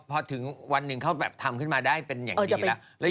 พอถึงวันหนึ่งเขาแบบทำขึ้นมาได้เป็นอย่างดีแล้ว